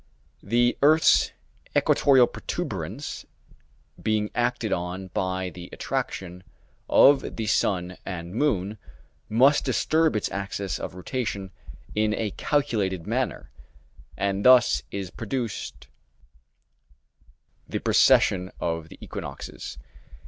The earth's equatorial protuberance, being acted on by the attraction of the sun and moon, must disturb its axis of rotation in a calculated manner; and thus is produced the precession of the equinoxes.